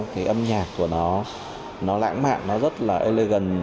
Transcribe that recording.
cái âm nhạc của nó lãng mạn nó rất là elegan